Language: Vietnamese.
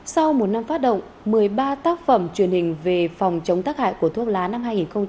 sau một năm phát động một mươi ba tác phẩm truyền hình về phòng chống tác hại của thuốc lá năm hai nghìn một mươi bảy hai nghìn một mươi tám